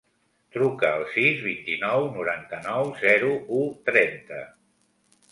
Truca al sis, vint-i-nou, noranta-nou, zero, u, trenta.